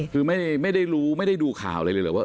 คือไม่ได้รู้ไม่ได้ดูข่าวอะไรเลยเหรอว่า